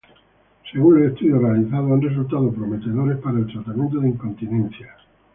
Según los estudios realizados, han resultado prometedores para el tratamiento de incontinencia.